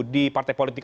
di partai politik